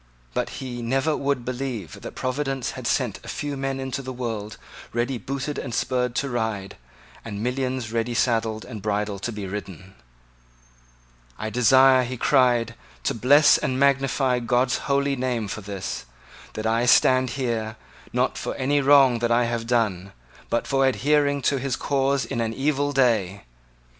But he never would believe that Providence had sent a few men into the world ready booted and spurred to ride, and millions ready saddled and bridled to be ridden. "I desire," he cried, "to bless and magnify God's holy name for this, that I stand here, not for any wrong that I have done, but for adhering to his cause in an evil day.